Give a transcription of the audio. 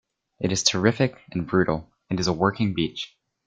It is terrific and brutal and is a working beach.